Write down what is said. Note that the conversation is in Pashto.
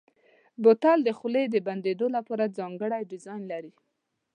بوتل د خولې د بندېدو لپاره ځانګړی ډیزاین لري.